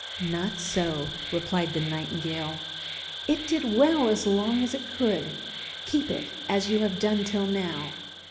"Not so," replied the Nightingale. "It did well as long as it could; keep it as you have done till now.